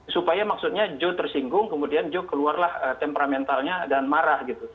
supaya maksudnya joe tersinggung kemudian joe keluarlah temperamentalnya dan marah gitu